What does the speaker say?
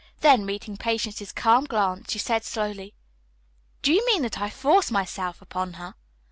Then, meeting Patience's calm glance, she said slowly, "Do you mean that I force myself upon her?"